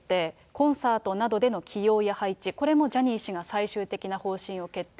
コンサートなどでの起用や配置、これもジャニー氏が最終的な方針を決定。